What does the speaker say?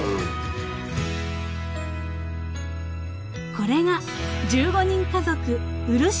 ［これが１５人家族うるし